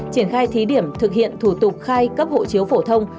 triển khai thí điểm thực hiện thủ tục khai cấp hộ chiếu phổ thông